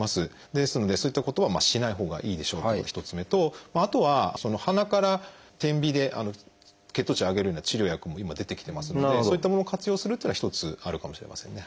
ですのでそういったことはしないほうがいいでしょうというのが１つ目とあとは鼻から点鼻で血糖値を上げるような治療薬も今出てきてますのでそういったものを活用するっていうのは一つあるかもしれませんね。